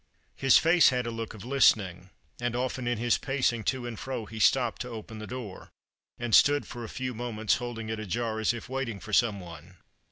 His face had a look of listening, and often in his pacing to and fro he stopped to open The Christmas Hirelings. 223 the door, and stood for a few moments holding it ajar, as if waiting for some one.